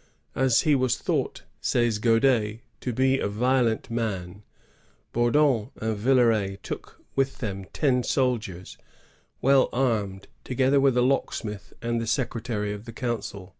^ As he was thought," says Graudais, ^^ to be a violent man," Bourdon and Villeray took with them ten soldiers, well armed, together with a locksmith and the secretary of the council.